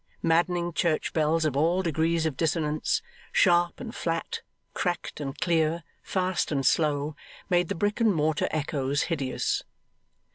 Maddening church bells of all degrees of dissonance, sharp and flat, cracked and clear, fast and slow, made the brick and mortar echoes hideous.